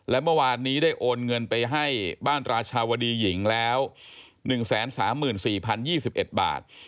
และเมื่อวานนี้ได้โอนเงินไปให้บ้านราชาวดีหญิงแล้ว๑๓๔๐๒๑บาท